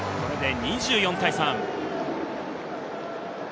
これで２４対３。